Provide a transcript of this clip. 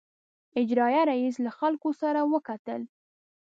اجرائیه رییس له خلکو سره وکتل.